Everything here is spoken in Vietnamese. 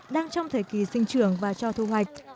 đang trong thời kỳ sinh trưởng và cho thu hoạch